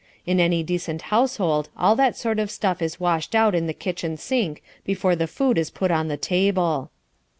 In any decent household all that sort of stuff is washed out in the kitchen sink before the food is put on the table.